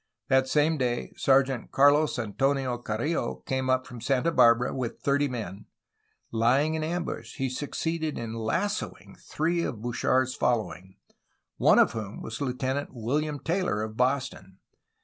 That same day Sergeant Carlos Antonio Carrillo came up from Santa Barbara with thirty men. Lying in ambush he succeeded in lassoing three of Bouchard's following, one of whom was Lieutenant WiUiam Taylor of Boston.